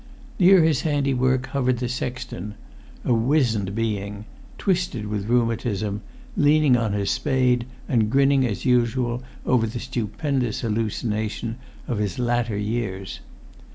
Near his handiwork hovered the sexton, a wizened being, twisted with rheumatism, leaning on his spade, and grinning as usual over the stupendous hallucination of his latter years.